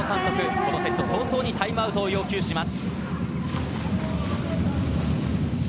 このセット早々にタイムアウトを要求します。